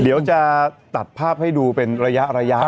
เดี๋ยวจะตัดภาพให้ดูเป็นระยะ